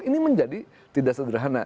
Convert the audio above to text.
ini menjadi tidak sederhana